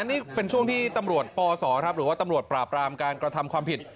นี่เป็นช่วงที่ตำรวจปศหรือว่าตำรวจปราบรามการกระทำความผิด